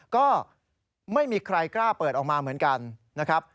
ก็ไม่มีใครกล้าเปิดออกมาเหมือนกันนะครับ